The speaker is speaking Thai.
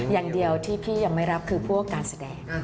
อย่างเดียวที่พี่ยังไม่รับคือพวกการแสดง